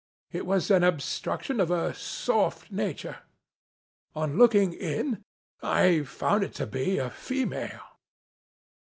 It was an obstruction of a soft nature. On looking in, I found it to be a female.